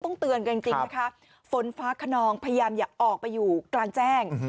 เตือนกันจริงนะคะฝนฟ้าขนองพยายามอย่าออกไปอยู่กลางแจ้ง